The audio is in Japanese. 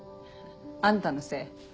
あんたのせい。